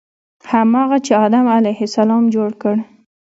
هماغه چې آدم علیه السلام جوړ کړ.